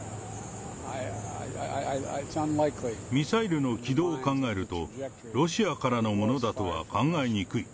ミサイルの軌道を考えると、ロシアからのものだとは考えにくい。